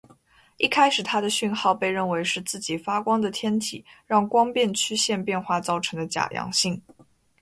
一开始它的讯号被认为是自己发光的天体让光变曲线变化造成的假阳性。